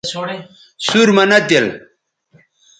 سُور مہ نہ تِل